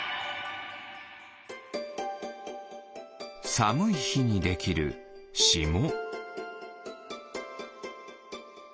さむいひにできるしも。